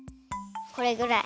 これぐらい。